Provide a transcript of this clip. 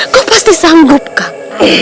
kau pasti sanggup kang